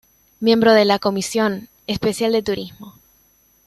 Miembro de la Comisión Especial de Turismo.